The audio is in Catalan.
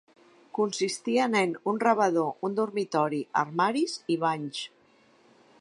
Consistien en: un rebedor, un dormitori, armaris i banys.